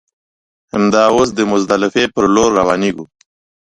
همدا اوس د مزدلفې پر لور روانېږو.